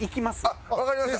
あっわかりました。